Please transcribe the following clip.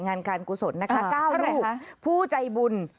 งานการกุศลนะคะ๙รูปผู้ใจบุญ